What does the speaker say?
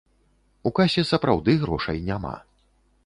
У касе сапраўды грошай няма.